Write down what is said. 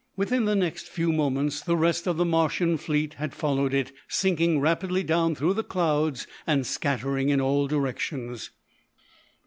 Within the next few moments the rest of the Martian fleet had followed it, sinking rapidly down through the clouds and scattering in all directions.